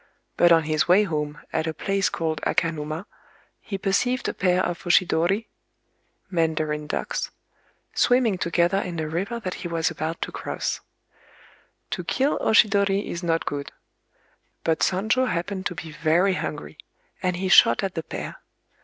But on his way home, at a place called Akanuma, he perceived a pair of oshidori (mandarin ducks), swimming together in a river that he was about to cross. To kill oshidori is not good; but Sonjō happened to be very hungry, and he shot at the pair.